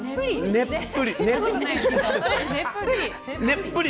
ねっぷり？